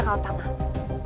kau tak mau